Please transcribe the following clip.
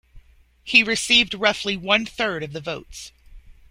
He received roughly one-third of the votes.